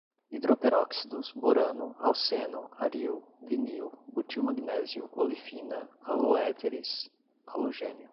hidroperóxidos, borano, alceno, aril, vinil, butilmagnésio, olefina, haloéteres, halogênio